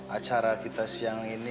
acara kita siang ini